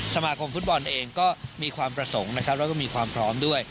สมาคมฟุตบอลเองก็มีความประสงค์นะครับแล้วก็มีความพร้อมด้วย